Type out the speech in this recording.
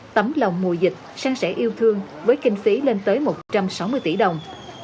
tấm lòng mùa dịch sang sẻ yêu thương với kinh phí lên tới một trăm sáu mươi tỷ đồng